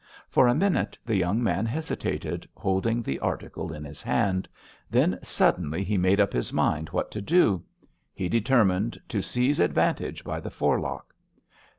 For a minute the young man hesitated, holding the article in his hand; then suddenly he made up his mind what to do. He determined to seize advantage by the forelock.